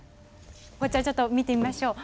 こちらちょっと見てみましょう。